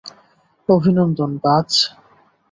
অভিনন্দন, বায।